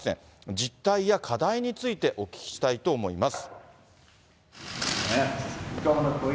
実態や課題についてお聞きしたいと思います。